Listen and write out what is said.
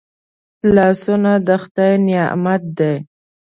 لاسونه د خدای نعمت دی